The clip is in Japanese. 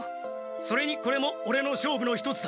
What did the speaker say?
それにこれもオレの勝負の一つだ。